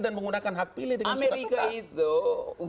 dan menggunakan hak pilih dengan suka suka